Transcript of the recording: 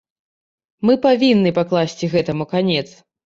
Мы павінны пакласці гэтаму канец.